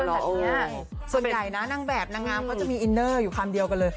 ส่วนใหญ่นะนางแบบนางงามเขาจะมีอินเนอร์อยู่คำเดียวกันเลย